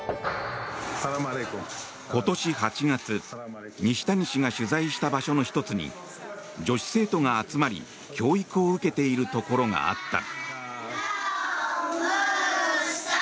今年８月西谷氏が取材した場所の１つに女子生徒が集まり教育を受けているところがあった。